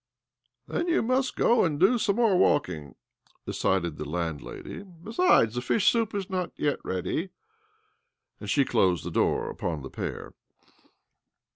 284 OBLOMOV " Then you must go and do some moi walking," decided the landlady. " Beside the fish soup is not yet ready." And si closed the door upon the pair.